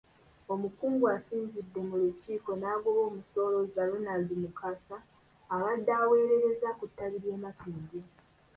Omukungu asinzidde mu lukiiko n'agoba omusolooza Ronald Mukasa abadde aweerereza ku ttabi ly’e Makindye.